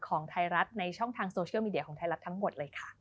ของไทยรัฐในช่องทางโซเชียลมีเดียของไทยรัฐทั้งหมดเลยค่ะ